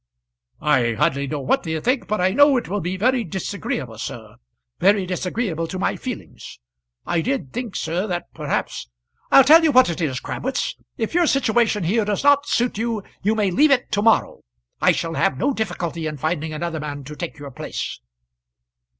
"I hardly know what they'll think, but I know it will be very disagreeable, sir; very disagreeable to my feelings. I did think, sir, that perhaps " "I'll tell you what it is, Crabwitz, if your situation here does not suit you, you may leave it to morrow. I shall have no difficulty in finding another man to take your place."